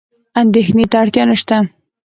اندېښنې ته اړتیا نشته.